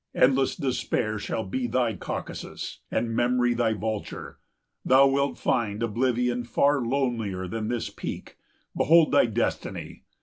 Endless despair shall be thy Caucasus, And memory thy vulture; thou wilt find Oblivion far lonelier than this peak, Behold thy destiny!